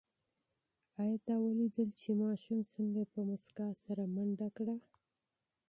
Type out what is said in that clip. آیا تا ولیدل چې ماشوم څنګه په موسکا سره منډه کړه؟